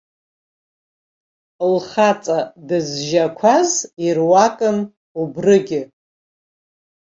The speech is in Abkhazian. Лхаҵа дызжьақәаз ируакын убригьы.